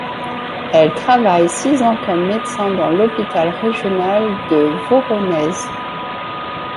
Elle travaille six ans comme médecin dans l'hôpital régional de Voronezh.